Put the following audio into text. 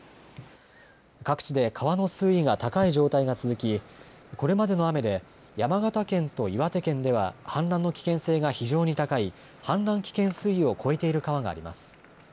各地で川の水位が高い状態が続きこれまでの雨で山形県と岩手県では氾濫の危険性が非常に高い氾濫危険水位を超えている川があります。